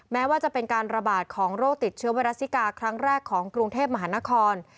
แม้ว่าจะเป็นการระบาดของโรคติดเชื้อไวรัสซิกาครั้งแรกของกรุงเทพมหานคร